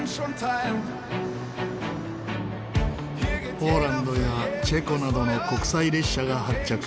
ポーランドやチェコなどの国際列車が発着。